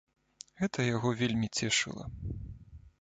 Гэта яго вельмі цешыла.